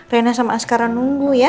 rena sama askara nunggu ya